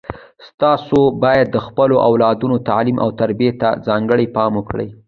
تاسو باید د خپلو اولادونو تعلیم او تربیې ته ځانګړی پام وکړئ